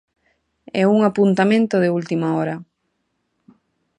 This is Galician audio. E un apuntamento de última hora.